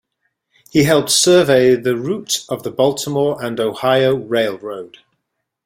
He helped survey the route of the Baltimore and Ohio Railroad.